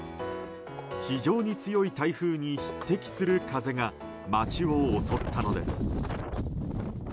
非常に強い台風に匹敵する風が街を襲ったのです。